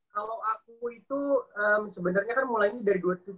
kalau aku itu sebenernya kan mulainya dari dua ribu tujuh belas